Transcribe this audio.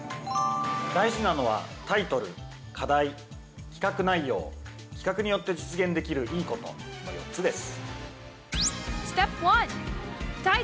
大事なのは「タイトル」「課題」「企画内容」「企画によって実現できるいいこと」の４つです。